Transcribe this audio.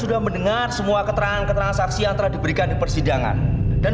sudah mendengar semua keterangan keterangan saksi yang telah diberikan di persidangan dan